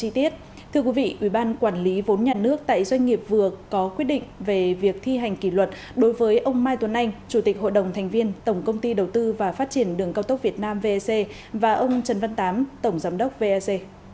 thưa quý vị ubnd quản lý vốn nhà nước tại doanh nghiệp vừa có quyết định về việc thi hành kỷ luật đối với ông mai tuấn anh chủ tịch hội đồng thành viên tổng công ty đầu tư và phát triển đường cao tốc việt nam vec và ông trần văn tám tổng giám đốc vec